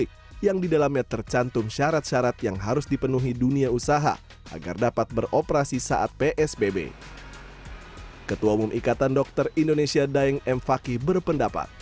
ketua umum ikatan dokter indonesia daeng m fakih berpendapat